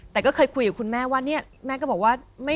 แต่ก็เคยคุยกับคุณแม่ว่าเนี่ยแม่ก็บอกว่า